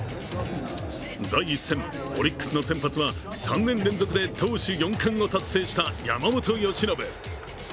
第１戦、オリックスの先発は３年連続で投手４冠を達成した山本由伸。